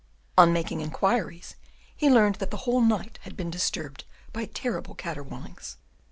On making inquiries, he learned that the whole night had been disturbed by terrible caterwaulings.